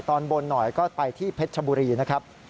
ตอนบนหน่อยก็ไปที่เพชรชบุรีนะครับ